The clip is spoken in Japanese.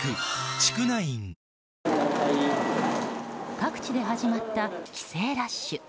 各地で始まった帰省ラッシュ。